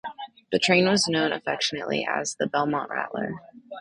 The train was known affectionately as the "Belmont Rattler".